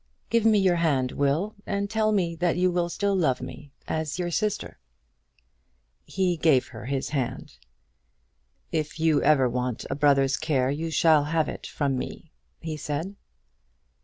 "Give me your hand, Will, and tell me that you will still love me as your sister." He gave her his hand. "If you ever want a brother's care you shall have it from me," he said.